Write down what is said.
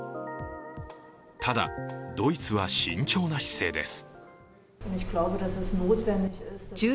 ただ、ドイツは慎重な姿勢です。